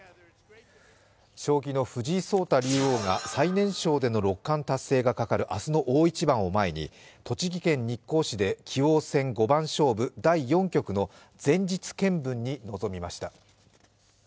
将棋の藤井聡太竜王が最年少での六冠達成がかかる明日の大一番を前に栃木県日光市で棋王戦五番勝負第４局の前日検分に臨みました。